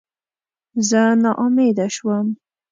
زه ناامیده شوم.